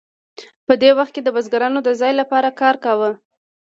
په دې وخت کې بزګرانو د ځان لپاره کار کاوه.